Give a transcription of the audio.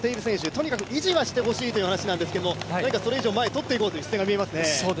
とにかく維持はしてほしいという話ですが、それ以上に前とっていく姿勢が見えますね。